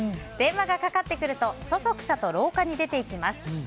電話がかかってくるとそそくさと廊下に出て行きます。